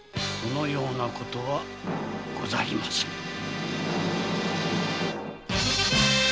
そのようなことはございませぬ。